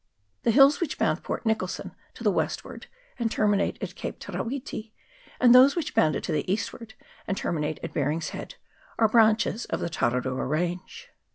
The hills which bound Port Nicholson to the westward, and terminate at Cape Te ra witi, and those which bound it to the eastward, and terminate at Baring's Heads, are branches of the Tararua range.